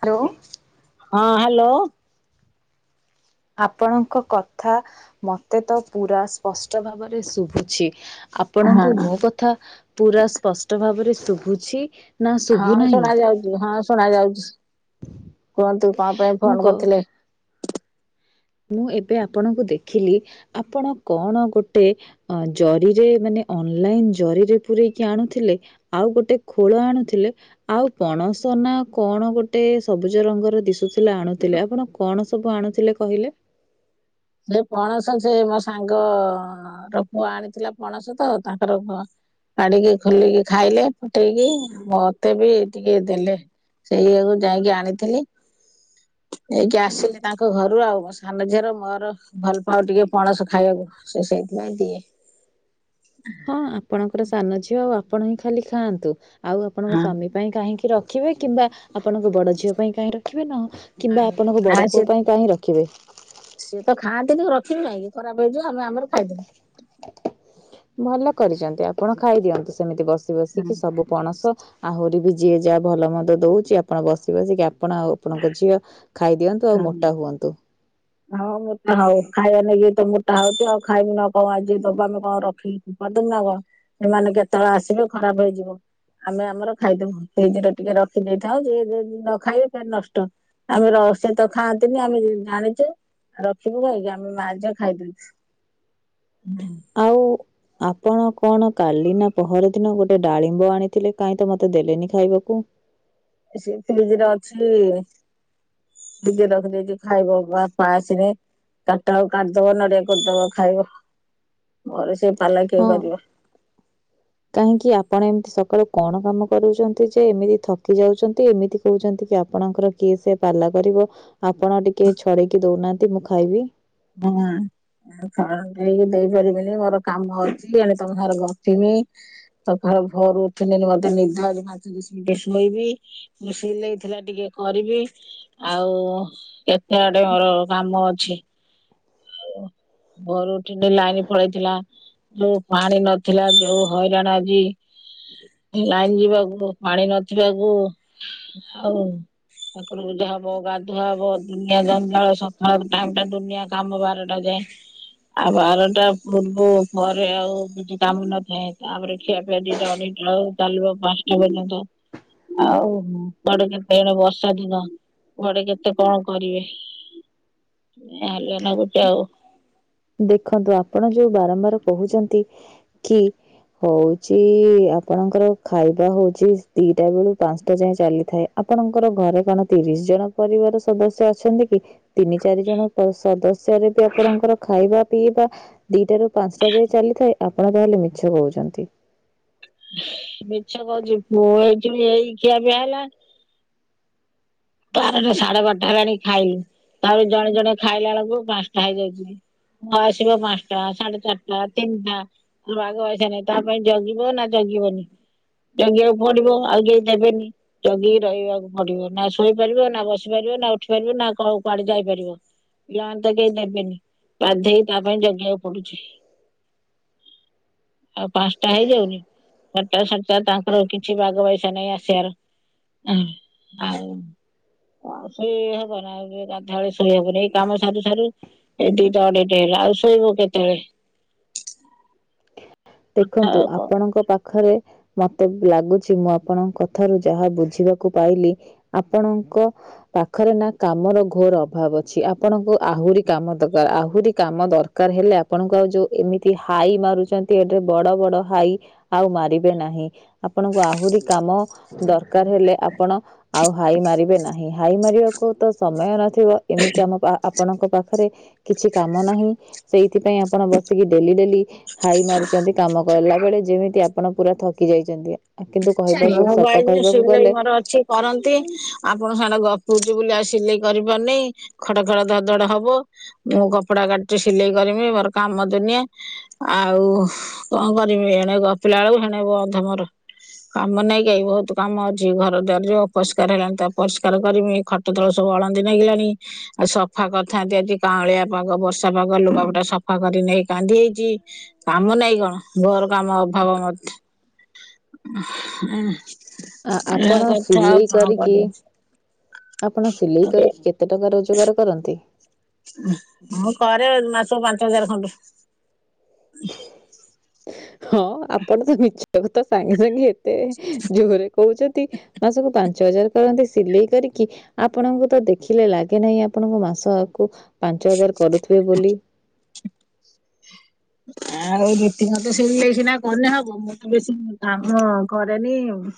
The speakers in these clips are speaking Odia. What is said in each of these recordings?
ହ୍ୟାଲୋ। ହଁ ହ୍ୟାଲୋ। ଆପଣଙ୍କ କଥା ମୋତେ ତ ପୁରା ସ୍ପଷ୍ଟ ଭାବରେ ଶୁଭୁଛି ଆ ହଁ ପଣଙ୍କୁ ମୋ କଥା ପୁରା ସ୍ପଷ୍ଟ ଭାବରେ ଶୁଭୁଛି? ନା ଶୁଭୁ ହଁ ନାହିଁ? ଶୁଣା ଯାଉଛି ହଁ ଶୁଣ ଯାଉଛି, କୁହନ୍ତୁ କଁ ପାଇଁ ମୁଁ କ ଫୋନ କରିଥିଲେ? ମୁଁ ଏବେ ଆପଣଙ୍କୁ ଦେଖିଲି ଆପଣ କଣ ଗୋଟେ ଅ ଜରିରେ ମାନେ ଅନଲାଇନ୍ ଜରିରେ ପୂରେଇକି ଆଣୁଥିଲେ। ଆଉ ଗୋଟେ ଖୋଳ ଆଣୁଥିଲେ। ଆଉ ପଣସ ନା କଣ ଗୋଟେ ସବୁଜ ରଙ୍ଗର ଦିଶୁଥିଲା ଆଣୁଥିଲେ ଆପଣ କଣ ସବୁ ଆଣୁଥିଲେ କହିଲେ? ସେ ପଣସ ସେ ମୋ ସାଙ୍ଗ ର ପୁଅ ଆଣିଥିଲା ପଣସ ତ ତାଙ୍କର ଅ କାଡ଼ିକି ଖୋଲିକି ଖାଇଲେ ଫଟେଇକି ମତେ ବି ଟିକେ ଦେଲେ। ସେଇଆକୁ ଯାଇକି ଆଣିଥିଲି। ନେଇକି ଆସିଲି ତାଙ୍କ ଘରୁ ଆଉ ମୋ ସାନ ଝିଅର ମୋର। ଭଲ ପାଉ ଟିକେ ପଣସ ଖାଇବାକୁ ସେ ସେଇଥି ପାଇଁ ଦିଏ। ହଁ ଆପଣଙ୍କର ସାନ ଝିଅ ଆଉ ଆପଣ ହିଁ ଖାଲି ଖାଆନ୍ତୁ ଆଉ ଆପଣଙ୍କ ହଁ ସ୍ୱାମୀ ପାଇଁ କାହିଁକି ରଖିବେ କିମ୍ବା ଆପଣଙ୍କ ବଡ଼ ଝିଅ ପାଇଁ କାହିଁ ରଖିବେ ନ କିମ୍ବା ଆପଣଙ୍କ ନା ବଡ଼ ସେ ପୁଅ ପାଇଁ କାହିଁ ରଖିବେ। ସିଏ ତ ଖାଆନ୍ତିନି ରଖିବି କାହିଁକି ଖରାପ ହେଇଯିବ ଆମେ ଆମର ଖାଇଦେନୁ। ଭଲ କରିଚନ୍ତି ଆପଣ ଖାଇଦିଅନ୍ତୁ ସେମିତି ବସି ହଁ ବସିକି ସବୁ ପଣସ ଆହୁରି ବି ଯିଏ ଯାହା ଭଲ ମନ୍ଦ ଦଉଚି ଆପଣ ବସି ବସିକି ଆପଣ ଆଉ ଆପଣଙ୍କ ଝିଅ ଖାଇ ଦିଅନ୍ତୁ ଆଉ ମୋଟା ହୁଅନ୍ତୁ। ହଁ ହଁ ମୋଟା ହଉ ଖାଇବା ନେଇକି ତ ମୋଟା ହଉଚୁ ଆଉ ଖାଇବୁନି ଆଉ କଣ ଆଜି ଦବା ଆମେ କଣ ରଖି ଫୋପାଦମୁନା କଣ ଏମାନେ କେତେବେଳେ ଆସିବେ ଖରାପ ହେଇଯିବ। ଆମେ ଆମର ଖାଇଦବୁ ଫ୍ରିଜରେ ଟିକେ ରଖିଦେଇଥାଉ ଯିଏ ଯଦି ନ ଖାଇବେ ତାହେନେ ନଷ୍ଟ। ଆମେ ରସ୍ ସେ ତ ଖାଆନ୍ତିନି ଆମେ ଜାଣିଚେ ରଖିବୁ କାହିଁକି ଆମେ ମା ଝିଅ ଖାଇଦେଉଛୁ। ନାଇ ଆଉ ଆପଣ କଣ କାଲି ନା ପହରଦିନ ଗୋଟେ ଡ଼ାଳିମ୍ବ ଆଣିଥିଲେ କାହିଁ ତ ମତେ ଦେଲେନି ଖାଇବାକୁ? ଏ ସେ ଫିଜରେ ଅଛି। ଟିକେ ରଖିଦେଇଛି ଖାଇବ ବାପା ଆସିନି। କାଟା ହଉ କାଟିଦବ ନଡିଆ କୋରିଦବ ଖାଇବ ମୋର ସେ ପାଲା କିଏ ହଁ କରିବ। କାହିଁକି ଆପଣ ଏମିତି ସକାଳୁ କଣ କାମ କରୁଛନ୍ତି ଯେ ଏମିତି ଥକି ଯାଉଛନ୍ତି ଏମିତି କହୁଛନ୍ତି କି ଆପଣଙ୍କର କିଏ ସେ ପାଲା କରିବ ଆପଣ ଟିକେ ଛଡେଇକି ଦଉନାହାନ୍ତି ମୁଁ ଖାଇବି। ହଁ। ଆଉ କାହାକୁ ନେଇକି ଦେଇ ପାରିବିନି ମୋର କାମ ଅଛି ଏଣେ ତ ଘରକାମ କିଛି ହେଇନି। ସଫା ଘରୁ ଫିନାଇନ୍ ଅଧେ ନେଇଯା ମୁଁ ମାଜିବି ବେସିନ ଧୋଇବି। ମୁଁ ସିଲେଇଥିଲା ଟିକେ କରିବି। ଆଉ କେତେ ଆଡେ ମୋର କାମ ଅଛି। ଭୋରୁ ଉଠିଲେ ଲାଇନ୍ ପଳେଇଥିଲା। ଯୋଉ ପାଣି ନଥିଲା ଯୋଉ ହଇରାଣ ଆଜି ଲାଇନ୍ ଯିବାକୁ ପାଣି ନଥିବାକୁ ଆଉ ଠାକୁର ପୂଜା ହବ ଗାଧୁଆ ହବ ଦୁନିଆ ଜଞ୍ଜାଳ ସକାଳ ଟାଇମ୍ ଟା ଦୁନିଆ କାମ ବାରଟା ଯାଏଁ। ଆଉ ବାରଟା ପୂର୍ବୁ ପରେ ଆଉ କିଛି କାମ ନଥାଏ ତାପରେ ଖିଆ ପିଆ ଦିଟା ଅଢେ଼ଇଟା ହବ ଚାଲିବ ପାଞ୍ଚଟା ପର୍ଯ୍ୟନ୍ତ। ଆଉ କୁଆଡ଼େ କେତେ ଏଣେ ବର୍ଷା ଦିନ କୁଆଡେ କେତେ କଣ କରିବେ ଏ ହାଲିଆ ଲାଗୁଛି ଆଉ। ଦେଖନ୍ତୁ ଆପଣ ଯୋଉ ବାରମ୍ବାର କହୁଛନ୍ତି କି ହଉଛି ଆପଣଙ୍କର ଖାଇବା ହଉଛି ଦିଟା ବେଳୁ ପାଞ୍ଚଟା ଯାଏଁ ଚାଲିଥାଏ ଆପଣଙ୍କର ଘରେ କଣ ତିରିଶ ଜଣ ପରିବାର ସଦସ୍ୟ ଅଛନ୍ତି କି? ତିନି ଚାରି ଜଣ ତ ସଦସ୍ୟ ରେ ବି ଆପଣଙ୍କର ଖାଇବା ପିଇବା ଦିଟା ରୁ ପାଞ୍ଚଟା ଯାଏ ଚାଲିଥାଏ ଆପଣ ତାହେଲେ ମିଛ କହୁଛନ୍ତି। ମିଛ କହୁଛି ମୁଁ ଆକ୍ଚୁଲି ଏଇ ଖିଆ ପିଆ ହେଲା ବାରେଟା ସାଢେ ବାରଟା ହେଲାଣି ଖାଇଲୁ ତାପରେ ଜଣେ ଜଣେ ଖାଇଲା ବେଳକୁ ପାଞ୍ଚଟା ହେଇଯାଇଛି। ପୁଅ ଆସିବ ପାଞ୍ଚଟା ସାଢେ ଚାରିଟା ତିନିଟା ପୁଅର ବାଗ ବାଇଶ ନାହିଁ ତା ପାଇଁ ଜଗିବ ନାଁ ଜଗିବନି? ଜଗିବାକୁ ପଡିବ ଆଉ କେହି ଦେବେନି ଜଗିକି ରହିବାକୁ ପଡିବ ନା ଶୋ ଶୋଇପାରିବ ନାଁ ବସିପାରିବ ନାଁ ଉଠିପାରିବ ନାଁ କ କୁଆଡେ ଯାଇପାରିବ। ପିଲା ମାନେ ତ କେହି ଦେବେନି ଗାଧେଇ ତା ପାଇଁ ଜଗିବାକୁ ପଡୁଛି। [inaudible] ଆଉ ପାଞ୍ଚଟା ହେଇଯାଉନି ଚାରିଟା ସାଢେ ଚାରିଟା ତାଙ୍କର କିଛି ବାଗ ବାଇସ ନାହିଁ ଆସିବାର। ହଁ ଆଉ ଆଉ ଶୋଇ ହବନା ଆଉ ଗାଧୁଆବେଳେ ଶୋଇ ହବନି ଏଇ କାମ ସାରୁ ସାରୁ ଏଇ ଦି ଟା ଅଢେଇଟା ହେଲା ଆଉ ଶୋଇବୁ କେତେବେଳେ। ଦେଖନ୍ତୁ ଆଉ କଣ ଆପଣଙ୍କ ପାଖରେ ମତେ ଏବେ ଲାଗୁଛି ମୁଁ ଆପଣଙ୍କ କଥାରୁ ଯାହା ବୁଝିବାକୁ ପାଇଲି ଆପଣଙ୍କ ପାଖରେ ନାଁ କାମର ଘୋର ଅଭାବ ଅଛି ଆପଣଙ୍କୁ ଆହୁରି କାମ ଦରକାର ଆହୁରି କାମ ଦର କାର ହେଲେ ଆପଣଙ୍କୁ ଆଉ ଯୋଉ ଏମିତି ହାଇ ମାରୁଛନ ନ୍ତି ଏ ଯୋଉ ବଡ ବଡ ହାଇ ଆଉ ମାରିବେ ନାହିଁ ଆପଣଙ୍କୁ ଆହୁରି କାମ ଦରକାର ହେଲେ ଆପଣ ଆଉ ହାଇ ମାରିବେ ନାହିଁ ହାଇ ମାରିବାକୁ ତ ସମୟ ନ ଥିବ ଏମିତି ଆମ କା ଆ ଆପଣଙ୍କ ପାଖରେ କିଛି କାମ ନାହିଁ ସେଇଥିପାଇଁ ଆପଣ ବସିକି ଡେଲି ଡେଲି ହାଇ ମାରୁ ଛନ୍ତି କାମ କଲା ବେଳେ ଯେମିତି ଆପଣ ପୁରା ଥକି ଯାଇଛନ୍ତି। କିନ୍ତୁ କହିବାକୁ ମୁଁ କହିଲି ସତ ବୋଲି କହିବାକୁ ସିଲେଇ ଗଲେ ମୋର ଅଛି। କରନ୍ତି, ଆପଣ ସାଙ୍ଗରେ ଗପୁଚି ବୋଲି ଆଉ ସିଲେଇ କରିପାରୁନେଇ। ଖଡ଼ ଖଡ଼ ଧଡ଼ ଧଡ଼ ହବ, ମୁଁ କପଡା କାଟଚି ସିଲେଇ କରିମି, ମୋର କାମ ଦୁନିଆ। ଆଉ କଣ କରିବି, ଏଣେ ଗପିଲା ବେଳକୁ ହେଣେ ଅଧେ ମୋର କାମ ନାଇଁ କାଇ ବହୁତ କାମ ଅଛି, ଘର ଦ୍ୱାର ଯୋଉ ଅପରିଷ୍କାର ହେଲାଣି ତାକୁ ପରିଷ୍କାର କରମି ଖ ଟ ତଳ ସବୁ ଅଳନ୍ଦି ନାଗିଲାଣି ଆଉ ସଫା କରିଥାନ୍ତି ଆଜି କାଉଁଳିଆ ପାଗ ବର୍ଷା ପାଗ ଲୁଗାପଟା ସଫା କରି ନେଇ କାଣ୍ଡି ହେଇଚି। କାମ ନାଇଁ କଣ ଘୋର କାମ ଅଭାବ ମତ ଏଁ। ଆ ଆପଣ ସିଲେଇ କରିକି କରିବି ଆପଣ ସିଲେଇ କରିକି କେ ତେ ଟଙ୍କା ରୋଜଗାର କରନ୍ତି? ମୁଁ କରେ ମାସକୁ ପାଞ୍ଚ ହଜାର ଖଣ୍ଡେ। ହଁ ଆପଣ ତ ମିଛ କଥା ସାଙ୍ଗେ ସାଙ୍ଗେ ଏତେ ଜୋହରେ କହୁଛନ୍ତି। ମାସକୁ ପାଞ୍ଚ ହଜାର କରନ୍ତି, ସିଲେଇ କରିକି ଆପଣଙ୍କୁ ତ ଦେଖିଲେ ଲାଗେ ନାହିଁ, ଆପଣଙ୍କ ମାସକୁ ପାଞ୍ଚ ହଜାର କରୁଥିବେ ବୋଲି। ଆଉ ରୀତି ମତ ସିଲେଇ ସିନା କନେ ହବ, ମୁଁ ତ ବେଶୀ କାମ କରେନି ଆଉ।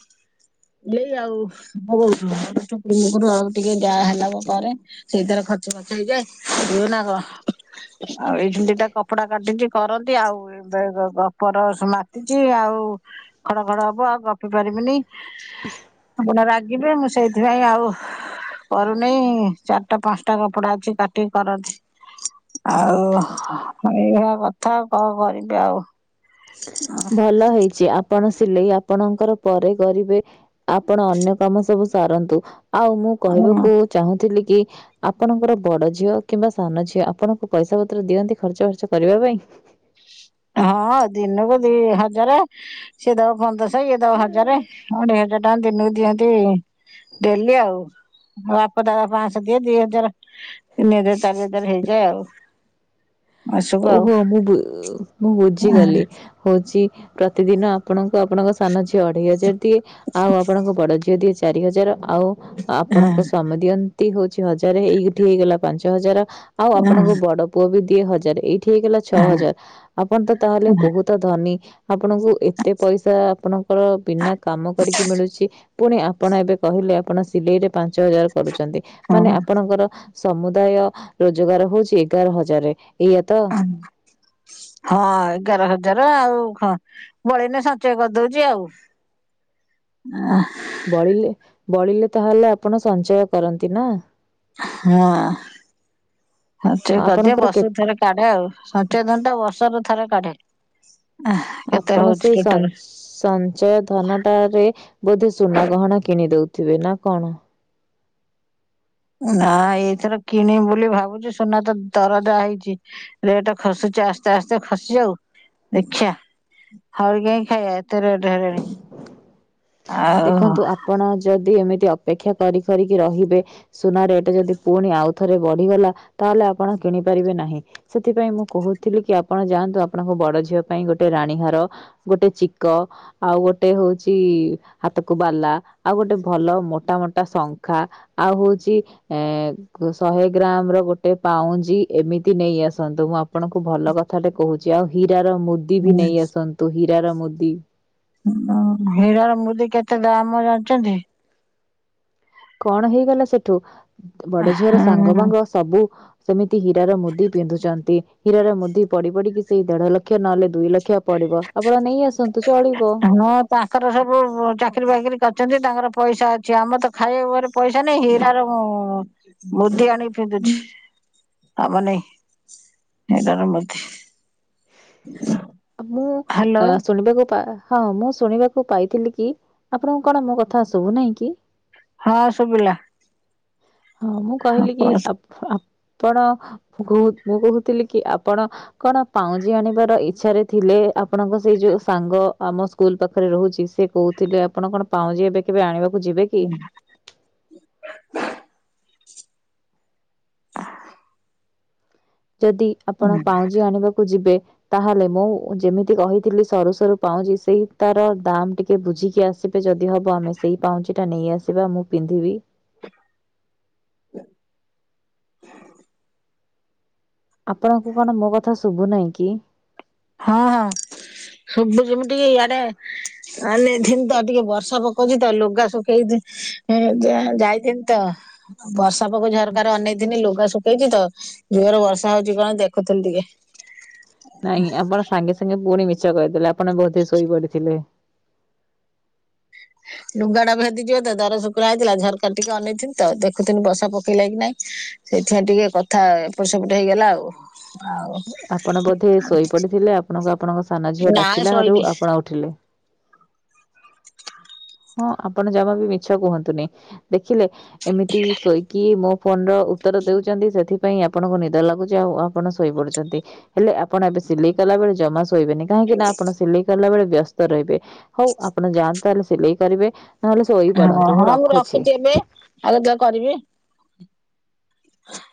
ସିଲେଇ ଆଉ, [unintelligible] ମୋର ଟିକେ ଯା ହେଲା ମୁଁ କରେ। ସେଇଥିର ଖର୍ଚ ବାର୍ଚ ହେଇଯାଏ, ରୁହେନା ଆଉ ଏଇ ଖିଣୀ ଦିଟା କପଡା କାଟିଚି। କରନ୍ତି ଆଉ ଏବେ ଗ ଗପର ସ୍ ମାତିଚି ଆଉ। ଖଡ ଖଡ ହବ ଆଉ ଗପି ପାରିବିନି। ଆପଣ ରାଗିବେ ମୁଁ ସେଇଥିପାଇଁ ଆଉ କରୁନେଇ ଚାଟା ପାଞ୍ଚଟା କପଡା ଅଛି କାଟିକି କରନ୍ତି। ଆଉ ଏଇଭଆ କଥା କଣ କରିବି ଆଉ। ନା। ଭଲ ହେଇଚି ଆପଣ ସିଲେଇ ଆପଣଙ୍କର ପରେ କରିବେ। ଆପଣ ଅନ୍ୟ କାମ ସବୁ ସାରନ୍ତୁ, ଆଉ ମୁଁ କହିବାକୁ ଚାହୁଁଥିଲି କି ଆପଣଙ୍କର ବଡ ଝିଅ କିମ୍ବା ସାନ ଝିଅ ଆପଣଙ୍କୁ ପଇସା ପତ୍ର ଦିଅନ୍ତି ଖର୍ଚ୍ଚ ଫର୍ଚ୍ଚ କରିବା ପାଇଁ। ହଁ ଦିନକୁ ଦି ହଜାରେ। ସିଏ ଦବ ପନ୍ଦଶ ଇଏ ଦବ ହଜାରେ ଅଢେଇ ହଜାର ଟଙ୍କା ଦିନୁକୁ ଦିଅନ୍ତି। ଡେଲି ଆଉ, ବାପ ଦା ପାଞ୍ଚଶହ ଦିଏ ଦିଇ ହଜାର। ତିନିଜାର ଚାରି ହଜାର ହେଇଯାଏ ଆଉ। ମାସକୁ ଆଉ। ଓହୋ ମୁଁ ମୁଁ ବୁଝିଗଲି। ହଉଛି ପ୍ରତିଦିନ ଆପଣଙ୍କୁ ଆପଣଙ୍କ ସାନ ଝିଅ ଅଢେଇ ହଜାର ଦିଏ। ଆଉ ଆପଣଙ୍କ ବଡ ଝିଅ ଦିଏ ଚାରି ହଜାର ଆଉ ଆପଣଙ୍କ ସ୍ଵାମୀ ଦିଅ ତି ହଉଛି ହଜାରେ ଏଇଠି ହେଇଗଲା ପାଞ୍ଚ ହଜାର ଆଉ ଆପଣଙ୍କୁ ବଡ ପୁଅ ବି ଦିଏ ହଜାରେ। ଏଠି ହେଇଗଲା ଛଅ ହଜାର ଆପଣ ତ ତାହେଲେ ବହୁତ ଧନୀ। ଆପଣଙ୍କୁ ଏତେ ପଇସା ଆପଣଙ୍କର ବିନା କାମ କରିକି ମିଳୁଚି। ପୁଣି ଆପଣ ଏବେ କହିଲେ ଆପଣ ସିଲେଇରେ ପାଞ୍ଚ ହଜାର କରୁଚନ୍ତି ମାନେ ହଁ ଆପଣଙ୍କର ସମୁଦାୟ ରୋଜଗାର ହଉଛି ଏଗାର ହଜାରରେ ଏଇଆ ତ। [unintelligible] ହଁ ଏଗାର ହଜାର ଆଉ ହଁ ବଳେଇନେ ସଞ୍ଚୟ କରିଦଉଚି ଆଉ। [unintelligible] ବଳିଲେ ବଳିଲେ ତାହେଲେ ଆପଣ ସଞ୍ଚୟ କରନ୍ତି ନା। ହଁ ସଞ୍ଚୟ କରିଦିଏ, ଆପଣଙ୍କର କେ ବସୁକୁ ଥରେ କାଢେ ଆଉ ସଞ୍ଚୟ ଧନ ଟା ବର୍ଷ ର ଥରେ କାଢେ କେତେ ଆପଣ ହଉଛି ସେଇ ସଂ ଟୋଟଲ। ସଞ୍ଚୟ ଧନ ଟାରେ ବୋଧେ ସୁନା ଗହଣା କିଣି ଦଉଥିବେ ନା କଣ। ଉଁ ନା ଏଇଥର କିଣିବୁ ବୋଲି ଭାବୁଛୁ ସୁନା ତ ଦର ଜା ହେଇଛି। ରେଟ ଖସୁଛି ଆସ୍ତେ ଆସ୍ତେ ଖସିଯାଉ ଦେଖିବା। ହାଉଳି କାହିଁ ଖାଇବା ଏତେ ରେଟ୍ ହେଲେଣି। ଦେଖନ୍ତୁ ଆପଣ ଯଦି ଏମିତି ଅପେକ୍ଷା କରି କରିକି ରହିବେ। ସୁନା ରେଟ ଯଦି ପୁଣି ଆଉଥରେ ବଢିଗଲା ତାହେଲେ ଆପଣ କିଣି ପାରିବେ ନାହିଁ। ସେଥିପାଇଁ ମୁଁ କହୁଥିଲି କି ଆପଣ ଯାଆନ୍ତୁ ଆପଣଙ୍କ ବଡ ଝିଅ ପାଇଁ ଗୋଟେ ରାଣୀ ହାର। ଗୋଟେ ଚିକ ଆଉ ଗୋଟେ ହଉଛି। ହାତକୁ ବାଲା ଆଉ ଗୋଟେ ଭଲ ମୋଟା ମୋଟା ଶଙ୍ଖା। ଆଉ ହଉଛି ଏଁ। ଶହେ ଗ୍ରାମ ର ଗୋଟେ ପାଉଁଜି ଏମିତି ନେଇ ଆସନ୍ତୁ ମୁଁ ଆପଣଙ୍କୁ ଭଲ କଥା। କଥା ଟେ କହୁଛି ଆଉ ହୀରା ର ମୁଦି ବି ହୁଁ, ନେଇ ଆସନ୍ତୁ ହୀରା ର ମୁଦି। ହୁଁ ହିରା ର ମୁଦି କେତେ ଦାମ ଜାଣିଛନ୍ତି। କଣ ହେଇଗଲା ସେଠୁ ବଡ ଝିଅର ସାଙ୍ଗ ହୁଁ। ବାଙ୍ଗ ସବୁ। ସେମିତି ହୀରାର ମୁଦି ପିନ୍ଧୁଚନ୍ତି ହୀରାର ମୁଦି ପଡି ପଡିକି ସେଇ ଦେଢ ଲକ୍ଷ ନହେଲେ ଦୁଇ ଲକ୍ଷ। ପଡିବ ଆପଣ ନେଇ ଆସନ୍ତୁ ଚଳିବ। ହଁ ତାଙ୍କର ସବୁ ବ ଚାକିରୀ ବାକିରି କରିଛନ୍ତି ତାଙ୍କର ପଇସା ଅଛି ଆମ ର ତ ଖାଇବାକୁ ଘରେ। ପଇସା ନାଇଁ ହୀରାର ମୁଁ ମୁଦି ଆଣି କି ପିନ୍ଧୁଛି। କାମ ନାହିଁ ହିରା ର ମୁଦି। ହ ଆଁ ମୁଁ ଆ ଶୁଣିବାକୁ ପା। ହଁ ମୁଁ ଶୁଣିବାକୁ ପାଇଥିଲି କି ଆପଣଙ୍କୁ କଣ ମୋ କଥା ଶୁଭୁନାହିଁ କି। ହଁ ଶୁଭିଲା। ହଁ ମୁଁ ହଁ କହିଲି କି କୁହ। ଆପ ଆପଣ ବ ମୁଁ କହୁଥିଲି କି ଆପଣ। କଣ ପାଉଁଜି ଆଣିବାର ଇଚ୍ଛାରେ ଥିଲେ ଆପଣଙ୍କ ସେଇ ଯୋଉ ସାଙ୍ଗ ଆମ ସ୍ ସ୍କୁଲ ପାଖରେ ରହୁଛି ସେ କହୁଥିଲେ ଆପଣ କଣ ପାଉଁଛି ଏବେ କେବେ ଆଣିବାକୁ ଯିବେ କି। ହୁଁ। ଯଦି ଆପଣ ହଁ। ପାଉଁଜି ଆଣିବାକୁ ଯିବେ। ତାହେଲେ ମୁଁ ଯେମିତି କହିଥିଲି ସରୁ ସରୁ ପାଉଁଜି ସେଇ ତାର ଦାମ ଟିକେ। କେ ବୁଝିକି ଆସିବେ ଯଦି ହବ ଆମେ ସେଇ ପାଉଁଜି ଟା ନେଇ ଆସିବା ମୁଁ ପିନ୍ଧିବି। ଆପଣଙ୍କୁ କଣ ମୋ କଥା ଶୁଭୁ ନାହିଁ କି। ହଁ ହଁ ଶୁଭୁଛି ମୁଁ ଟିକେ ଇଆଡେ। ଆନେଇ ଥିିନି ତ ଟିକେ ବର୍ଷା ପକଉଛି ତ ଲୁଗା ଶୁଖେଇ ଚି ଏଁ ଯା ଯାଇଥିନି ତ। ଅଁ ବର୍ଷା ପକଉଛି ଝରକାରୁ ଅନେଇ ଥିନି‌ ଲୁଗା ଶୁଖେଇଛି ତ ଜୋରେ ବର୍ଷା ହଉଛି କି କଣ ଦେଖୁଥିଲି ଟିକେ। ନାଇଁ ଆପଣ ସାଙ୍ଗେ ସାଙ୍ଗେ ଫୁଣି ମିଛ କହିଦେଲେ ଆପଣ ବୋଧେ ଶୋଇ ପଡିଥିଲେ। ହଁ। ଲୁଗା ଟା ଭେଦିଯିବ ତ ଦର ଶୁଖିଲା ହେଇଥିଲା ଝରକାରେ ଟିକେ ଅନେଇଥିଲି ତ ଦେଖୁଥିଲି ବର୍ଷା ପକେଇଲା କିି ନାଇଁ। ସେଇଥି ପାଇଁ ଟିକେ କଥା ଏପଟ ସେପଟ ହେଇଗଲା ଆଉ ଆଉ। ଆପଣ ବୋଧେ ଶୋଇ ପଡ଼ିଥିଲେ ଆପଣଙ୍କୁ ଆପଣଙ୍କ ସାନ ଝିଅ ନା ଡାକିଲାରୁ ଶୋଇନି ଆପଣ ଉଠିଲେ। ହଁ ଆପଣ ଜମା ବି ମିଛ କୁହନ୍ତୁନି। ଦେଖିଲେ ଏମିତି ଶୋଇକି ମୋ ଫୋନ ର ଉତ୍ତର ଦଉଛନ୍ତି ସେଥି। ପାଇଁ ଆପଣଙ୍କୁ ନିଦ ଲାଗୁଛି ଆଉ ଆପଣ ଶୋଇ ପଡୁଛନ୍ତି ହେଲେ ଆପଣ ଏବେ ସିଲେଇ କଲା ବଳେ ଜମା ଶୋଇବେନି। କାହିଁକି ନା ଆପଣ ସିଲେଇ କଲା ବେଳେ ବ୍ୟସ୍ତ ରହିବେ ହଉ ଆପଣ ଯାଆନ୍ତୁ ତାହଲେ ସିଲେଇ କରିବେ। ନ ହେଲେ ଶୋଇ ହଁ ପଡ଼ନ୍ତୁ ମୁଁ ହଁ ରଖୁଛି। ଏବେ ଆଉ କେତେବେଳେ କରିବି। ହଁ।